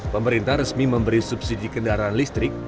pemerintah resmi memberi subsidi kendaraan listrik